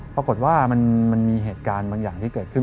ปรากฏว่ามันมีเหตุการณ์บางอย่างที่เกิดขึ้น